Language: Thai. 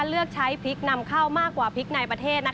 เลือกใช้พริกนำเข้ามากกว่าพริกในประเทศ